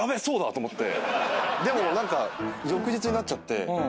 そうだと思ってでも何か翌日になっちゃって。